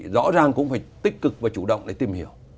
rõ ràng cũng phải tích cực và chủ động để tìm hiểu